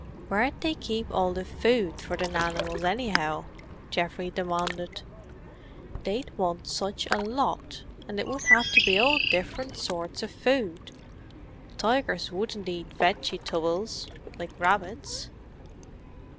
"Where'd they keep all the food for the nanimals, anyhow?" Geoffrey demanded. "They'd want such a lot, and it would have to be all different sorts of food. Tigers wouldn't eat vegi tubbles, like rabbits."